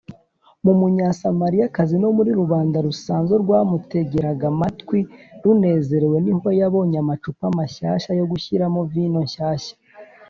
mu munyasamariyakazi no muri rubanda rusanzwe rwamutegeraga amatwi runezerewe, niho yabonye amacupa mashyashya yo gushyiramo vino nshyashya